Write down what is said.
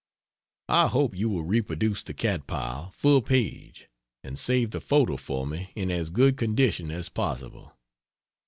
I hope you will reproduce the cat pile, full page. And save the photo for me in as good condition as possible.